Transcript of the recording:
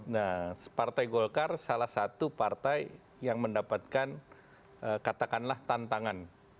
nah partai golkar salah satu partai yang mendapatkan katakanlah tantangan